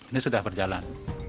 ini sudah berjalan